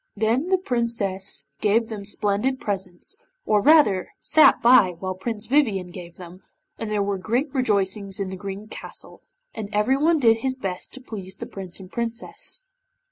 Then the Princess gave them splendid presents, or rather sat by while Prince Vivien gave them, and there were great rejoicings in the Green Castle, and everyone did his best to please the Prince and Princess.